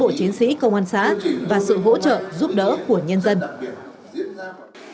và sự hỗ trợ giúp đỡ của nhân dân